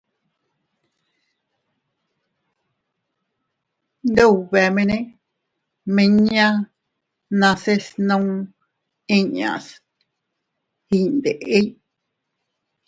Iyndubemene miñan nase snuu inñas iydindey.